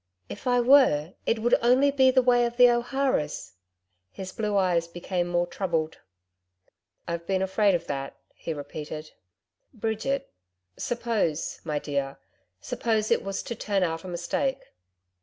'If I were, it would only be the way of the O'Haras.' His blue eyes became more troubled. 'I've been afraid of that,' he repeated. 'Bridget suppose my dear, suppose it was to turn out a mistake.'